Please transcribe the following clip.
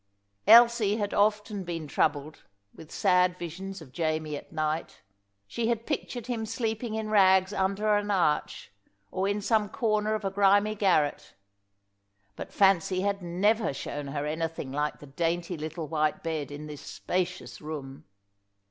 Elsie had often been troubled with sad visions of Jamie at night. She had pictured him sleeping in rags under an arch, or in some corner of a grimy garret. But fancy had never shown her anything like the dainty little white bed in this spacious room.